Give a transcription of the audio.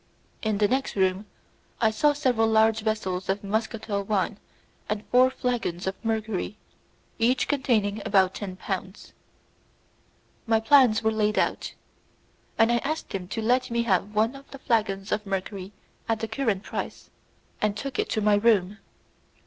In the next room I saw several large vessels of muscatel wine and four flagons of mercury, each containing about ten pounds. My plans were laid, and I asked him to let me have one of the flagons of mercury at the current price, and took it to my room.